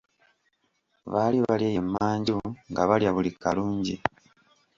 Baali bali eyo e manju nga balya buli kalungi.